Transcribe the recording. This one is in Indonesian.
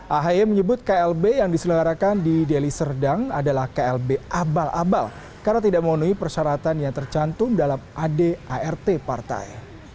ahi menyebut klb yang diselengarakan di deliserdang adalah klb abal abal karena tidak memenuhi persyaratan yang tercantum dalam ad art partai